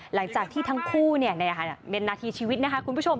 หลังจากที่ทั้งคู่เป็นนาทีชีวิตนะคะคุณผู้ชม